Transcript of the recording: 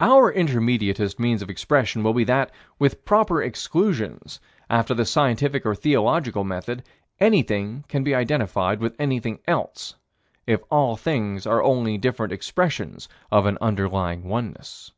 Our intermediatist means of expression will be that, with proper exclusions, after the scientific or theological method, anything can be identified with anything else, if all things are only different expressions of an underlying oneness.